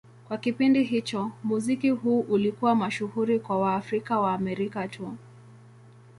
Kwa kipindi hicho, muziki huu ulikuwa mashuhuri kwa Waafrika-Waamerika tu.